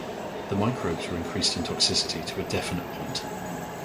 The microbes were increased in toxicity to a definite point.